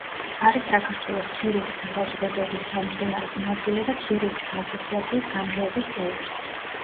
არის საქართველოს ქირურგთა საზოგადოების თავმჯდომარის მოადგილე და ქირურგთა ასოციაციის გამგეობის წევრი.